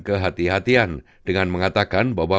kehatian dengan mengatakan bahwa